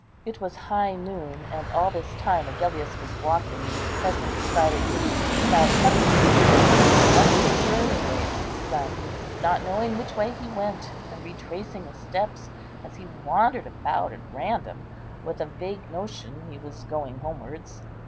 It was high noon; and all this time Agellius was walking in his present excited mood, without covering to his head, under the burning rays of the sun, not knowing which way he went, and retracing his steps, as he wandered about at random, with a vague notion he was going homewards.